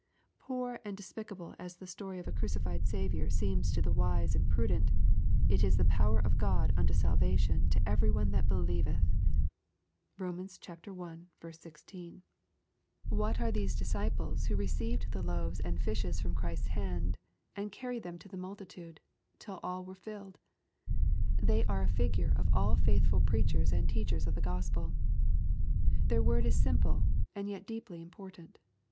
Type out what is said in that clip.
Poor and de spicable as the story of a crucified Saviour seems to the wise and prudent, it is the power of God unto salvation to every one that beJeveth. (Rom. i. 16.) LUKE, CHAP. IX. 803 What are those disciples who received the loaves ana fishes from Christ's hand, and carried them to the mul titude, till all were filled ? They are a figure of all faithful preachers and teachers of the Gospel. Their word is simple, and yet deeply important.